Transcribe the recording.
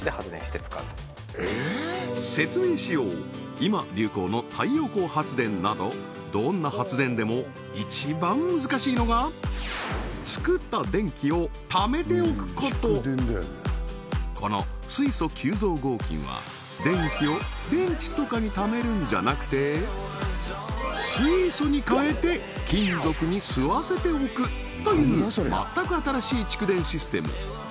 今流行の太陽光発電などどんな発電でも一番難しいのが作った電気を貯めておくことこの水素吸蔵合金は電気を電池とかに貯めるんじゃなくて水素に変えて金属に吸わせておくという全く新しい蓄電システム